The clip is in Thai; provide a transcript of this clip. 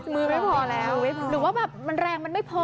มือไม่พอแล้วหรือว่าแบบมันแรงมันไม่พอ